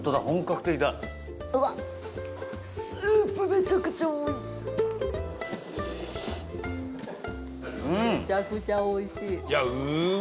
めちゃくちゃおいしい！